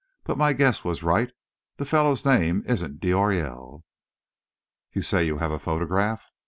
But my guess was right the fellow's name isn't d'Aurelle." "You say you have a photograph?"